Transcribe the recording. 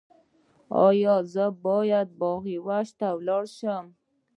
ایا زه باید باغ وحش ته لاړ شم؟